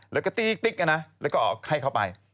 แล้วก็ติ๊กนะแล้วก็ให้เขาไป